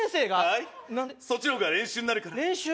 はいそっちの方が練習になるから練習？